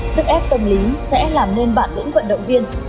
sức ép tâm lý sẽ làm nên bản lĩnh vận động viên